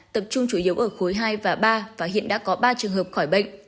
tập trung chủ yếu ở khối hai và ba và hiện đã có ba trường hợp khỏi bệnh